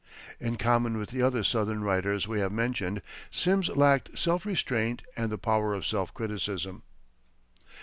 In common with the other Southern writers we have mentioned, Simms lacked self restraint and the power of self criticism.